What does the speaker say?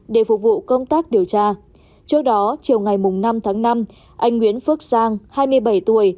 điều tra trước đó chiều ngày năm tháng năm anh nguyễn phước sang hai mươi bảy tuổi